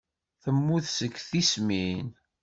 Temmut seg tismin.